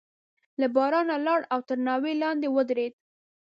له بارانه لاړ او تر ناوې لاندې ودرېد.